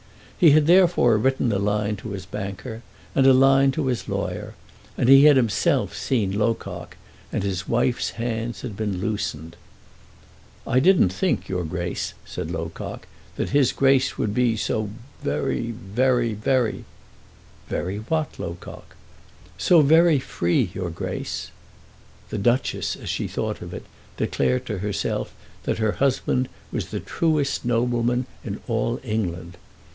He had therefore written a line to his banker, and a line to his lawyer, and he had himself seen Locock, and his wife's hands had been loosened. "I didn't think, your Grace," said Locock, "that his Grace would be so very very very " "Very what, Locock?" "So very free, your Grace." The Duchess, as she thought of it, declared to herself that her husband was the truest nobleman in all England.